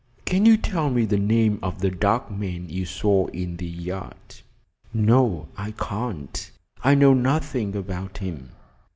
"Can you tell me the name of the dark man you saw in the yard?" "No, I can't. I know nothing about him."